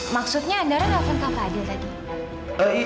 maksudnya andara nelfon kak fadil tadi